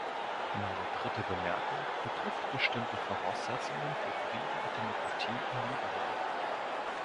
Meine dritte Bemerkung betrifft bestimmte Voraussetzungen für Frieden und Demokratie im Libanon.